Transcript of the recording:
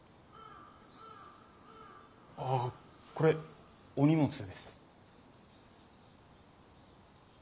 ああこれお荷物です。